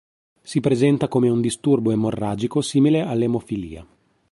Si presenta come un disturbo emorragico simile all'emofilia.